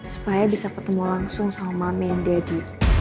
supaya bisa ketemu langsung sama mami dan deddy